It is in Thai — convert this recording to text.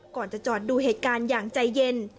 ก่อนจะจอดดูเหตุการณ์อย่างใจเย็น